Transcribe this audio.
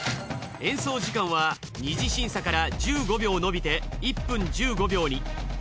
演奏時間は二次審査から１５秒のびて１分１５秒に。